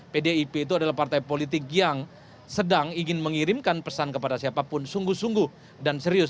pdip itu adalah partai politik yang sedang ingin mengirimkan pesan kepada siapapun sungguh sungguh dan serius